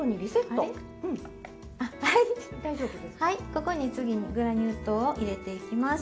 ここに次にグラニュー糖を入れていきます。